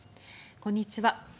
こんにちは。